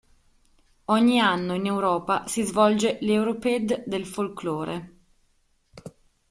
Ogni anno in Europa si svolge l"'Europeade del Folclore".